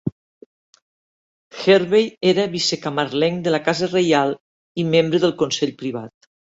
Hervey era vice-camarlenc de la casa reial i membre del Consell Privat.